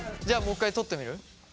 じゃもう一回撮ってみる？